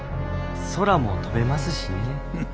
空も飛べますしね。